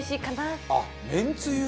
あっめんつゆ。